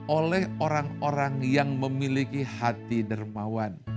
oleh orang orang yang memiliki hati dermawan